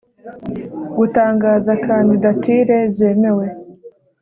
Gutangaza kandidatire zemewe